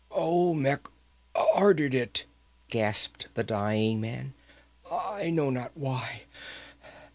"Olmec ordered it!" gasped the dying man. "I know not why.